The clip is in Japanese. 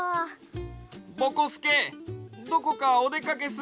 ぼこすけどこかおでかけするの？